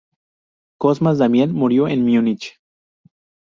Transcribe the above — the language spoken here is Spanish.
Cosmas Damian murió en Múnich.